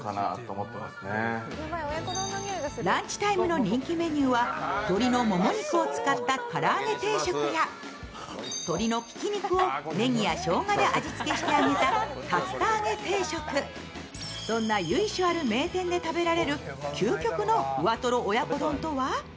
ランチタイムの人気メニューは鶏のもも肉を使った鶏のから揚げ定食や鳥のひき肉をねぎやしょうがで味付けして揚げたたつた揚げ定食、そんな由緒ある名店で食べられる究極のふわとろ親子丼とは？